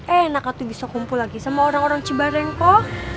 eh enak gak tuh bisa kumpul lagi sama orang orang cibareng kok